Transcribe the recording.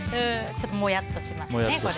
ちょっともやっとしますね。